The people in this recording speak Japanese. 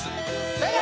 正解